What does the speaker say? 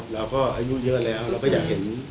เราก็อายุเยอะแล้วเราก็อยากเห็น